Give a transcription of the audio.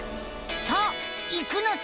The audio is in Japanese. さあ行くのさ！